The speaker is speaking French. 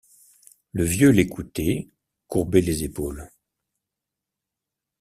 Le vieux l’écoutait, courbait les épaules.